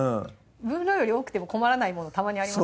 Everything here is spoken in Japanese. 分量より多くても困らないものたまにあります